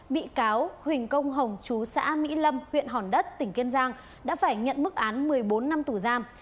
bị cáo huỳnh công hồng chú xã mỹ lâm huyện hòn đất tỉnh kiên giang đã phải nhận mức án một mươi bốn năm tù giam